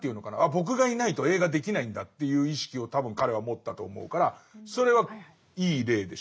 僕がいないと映画できないんだっていう意識を多分彼は持ったと思うからそれはいい例でしたね。